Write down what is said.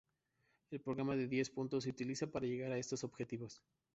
El Programa de diez puntos se utiliza para llegar a estos objetivos.